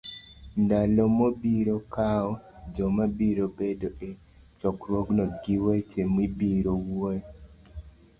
ndalo mobiro kawo, joma biro bedo e chokruogno, gi weche mibiro wuoyoe,